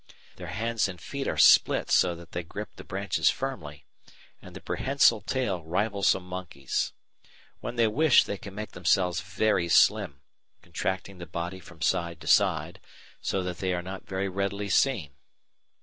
Their hands and feet are split so that they grip the branches firmly, and the prehensile tail rivals a monkey's. When they wish they can make themselves very slim, contracting the body from side to side, so that they are not very readily seen.